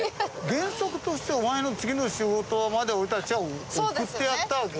原則としてお前の次の仕事場まで俺たちは送ってやったわけ。